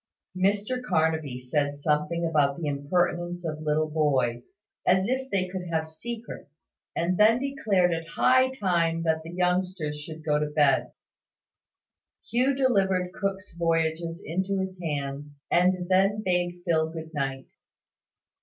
Mr Carnaby said something about the impertinence of little boys, as if they could have secrets, and then declared it high time that the youngsters should go to bed. Hugh delivered Cook's Voyages into his hands, and then bade Phil good night.